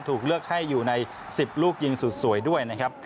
ถูกเลือกให้อยู่ใน๑๐ลูกยิงสุดสวยด้วยนะครับ